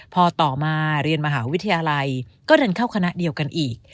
พอต่อมาเรียนมหาวิทยาลัยก็เดินเข้าคณะเดียวกันอีก